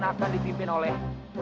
yang akan dipimpin oleh